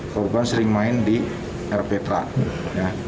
korban sering main di rp teram